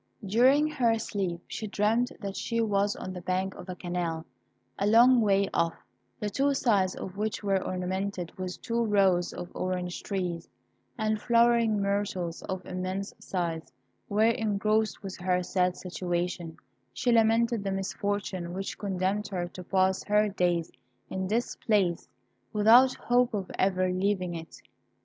During her sleep, she dreamt that she was on the bank of a canal, a long way off, the two sides of which were ornamented with two rows of orange trees and flowering myrtles of immense size, where, engrossed with her sad situation, she lamented the misfortune which condemned her to pass her days in this place without hope of ever leaving it.